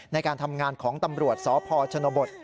ในการทำงานของตำรวจสพชนบท